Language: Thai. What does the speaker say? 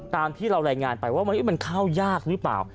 ตามที่เรารายงานไปว่ามันเข้ายากหรือเปล่า